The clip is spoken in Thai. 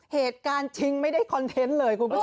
เหตุการณ์จริงไม่ได้คอนเทนต์เลยคุณผู้ชม